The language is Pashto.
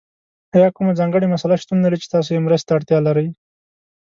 ایا کومه ځانګړې مسله شتون لري چې تاسو یې مرستې ته اړتیا لرئ؟